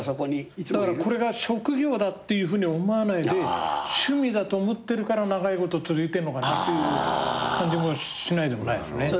だからこれが職業だっていうふうに思わないで趣味だと思ってるから長いこと続いてんのかなっていう感じもしないでもないですね。